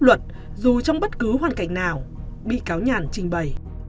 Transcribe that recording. luật dù trong bất cứ hoàn cảnh nào bị cáo nhàn trình bày